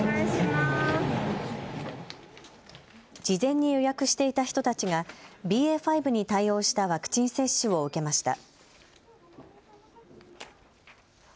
事前に予約していた人たちがＢＡ．５に対応したワクチン接種を受けました。